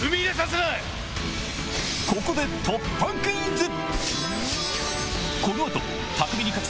ここで突破クイズ！